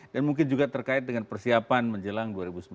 dan mungkin juga terkait dengan persiapan menjelang dua ribu sembilan belas